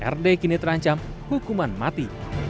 rd kini terancam hukuman mati